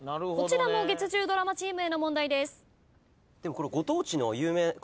こちらも月１０ドラマチームへの問題です。